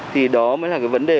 thì đó mới là cái vấn đề